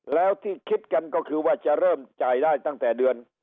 แล้วที่คิดกันก็คือว่าจะเริ่มจ่ายได้ตั้งแต่เดือน